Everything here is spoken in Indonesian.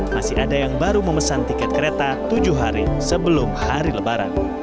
masih ada yang baru memesan tiket kereta tujuh hari sebelum hari lebaran